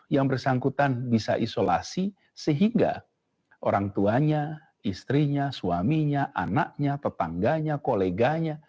yang bersangkutan bisa isolasi sehingga orang tuanya istrinya suaminya anaknya tetangganya koleganya